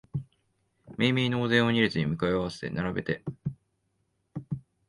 めいめいのお膳を二列に向かい合わせに並べて、